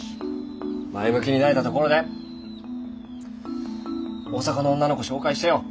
前向きになれたところで大阪の女の子紹介してよ。